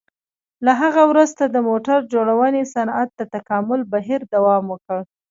له هغه وروسته د موټر جوړونې صنعت د تکامل بهیر دوام وکړ.